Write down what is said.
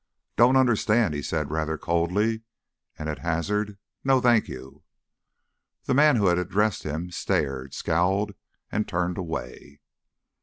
"Don't understand," he said rather coldly, and at hazard, "No, thank you." The man who had addressed him stared, scowled, and turned away.